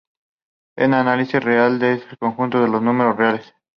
En análisis real, es el conjunto de los números reales.